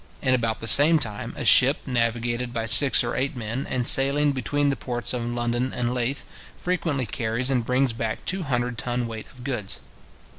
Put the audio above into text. In about the same time a ship navigated by six or eight men, and sailing between the ports of London and Leith, frequently carries and brings back two hundred ton weight of goods.